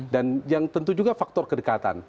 dan yang tentu juga faktor kedekatan